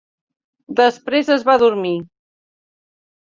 Després es va adormir.